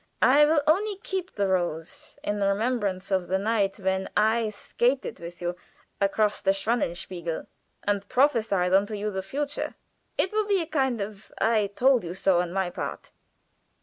I will only keep the rose in remembrance of the night when I skated with you across the Schwanenspiegel, and prophesied unto you the future. It will be a kind of 'I told you so,' on my part."